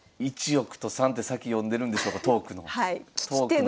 １億と３手先読んでるんでしょうかトークの。